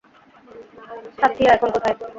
সাথ্যীয়া এখন কোথায়?